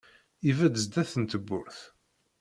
Ibedd sdat n tewwurt.